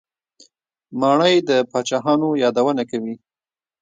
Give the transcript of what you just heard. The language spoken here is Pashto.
ماڼۍ د پاچاهانو یادونه کوي.